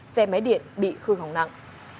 xe máy điện bị khư hỏng nặng